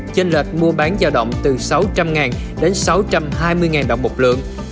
trên lệch mua bán giao động từ sáu trăm linh đến sáu trăm hai mươi đồng một lượng